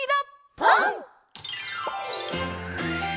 「ぽん」！